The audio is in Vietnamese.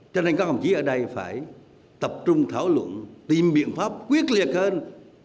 cho nên các hồng chí ở đây phải tập trung thảo luận tìm biện pháp quyết liệt hơn